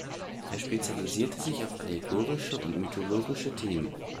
Er spezialisierte sich auf allegorische und mythologische Themen.